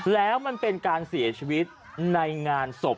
แล้วมันเป็นการเสียชีวิตในงานศพ